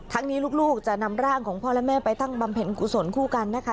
นี้ลูกจะนำร่างของพ่อและแม่ไปตั้งบำเพ็ญกุศลคู่กันนะคะ